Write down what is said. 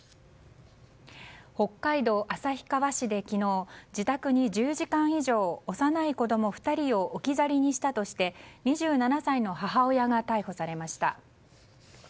北海道旭川市で昨日自宅に１０時間以上幼い子供２人を置き去りにしたとして２７歳の母親が逮捕されました。